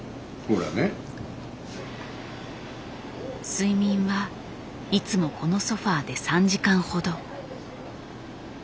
睡眠はいつもこのソファーで３時間ほど。